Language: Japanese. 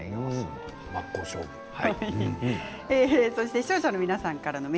視聴者の皆さんからです。